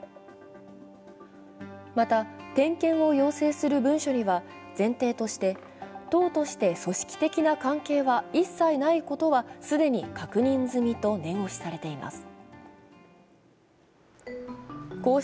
また、点検を要請する文書には前提として党として組織的な関係は一切ないことは確認済みと念押しされています。